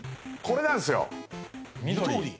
これなんですよ緑！？